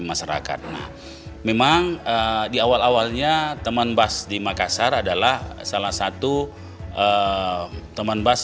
memang di awal awalnya teman bus di makassar adalah salah satu teman bus